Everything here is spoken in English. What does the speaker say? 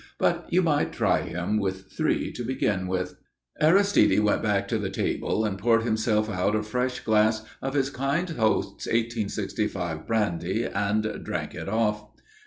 But you might try him with three to begin with." Aristide went back to the table and poured himself out a fresh glass of his kind host's 1865 brandy and drank it off.